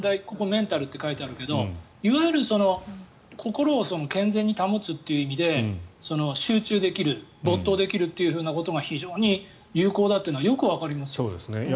ここメンタルって書いてあるけどいわゆる心を健全に保つという意味で集中できる没頭できるということが非常に有効だというのはよくわかりますね。